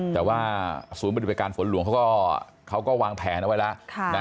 แต่ว่าศูนย์ปฏิบัติการฝนหลวงเขาก็วางแผนเอาไว้แล้ว